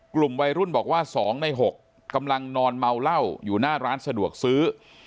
กลุ่มวัยรุ่นบอกว่า๒ใน๖กำลังนอนเมาเหล้าอยู่หน้าร้านสะดวกซื้อ